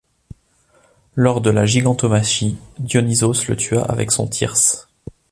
Lors de la gigantomachie, Dionysos le tua avec son thyrse.